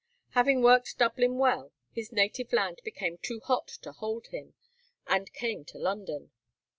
Having worked Dublin well, his native land became too hot to hold him, and came to London.